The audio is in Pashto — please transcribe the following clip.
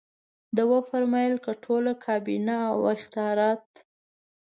ده وفرمایل که ټوله کابینه او اختیارات.